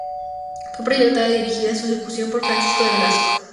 Fue proyectada y dirigida su ejecución por Francisco de Velasco.